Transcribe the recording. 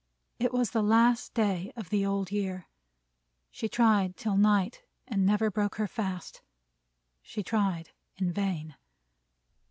It was the last day of the Old Year. She tried till night, and never broke her fast. She tried in vain.